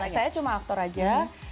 saya cuma aktor aja